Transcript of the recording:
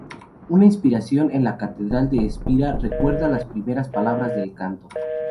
Una inscripción en la Catedral de Espira recuerda las primeras palabras del canto.